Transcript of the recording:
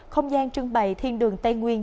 không gian trưng bày thiên đường tây nguyên